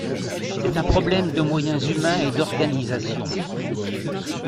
C’est un problème de moyens humains et d’organisation.